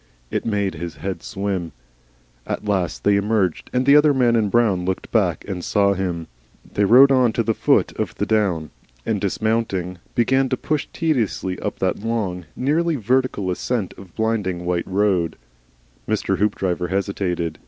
It made his head swim. At last they emerged, and the other man in brown looked back and saw him. They rode on to the foot of the down, and dismounting began to push tediously up that long nearly vertical ascent of blinding white road, Mr. Hoopdriver hesitated.